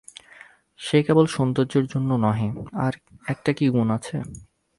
সে কেবল সৌন্দর্যের জন্য নহে, আর একটা কী গুণ আছে।